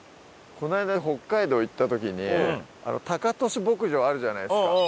この間北海道行った時にタカトシ牧場あるじゃないですか。